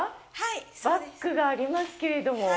バッグがありますけれども。